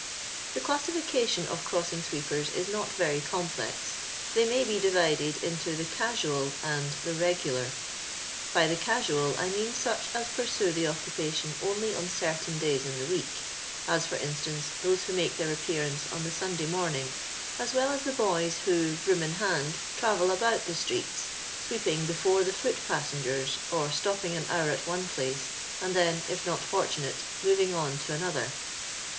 Tho classification of crossing sweepers is not very complex. They may be divided into the casual and the regular. By the casual I mean snch as pursue the occupation only on certain days in the week, as, for instance, those who make their appearance on tho Sunday morning, as well as the boys who, broom in hand, travel about the streets, sweeping before the foot passengers or stop ping an hour at one place, and then, if not fortunate, moving on to another.